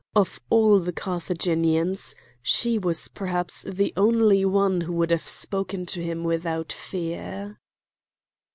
Of all the Carthaginians she was perhaps the only one who would have spoken to him without fear.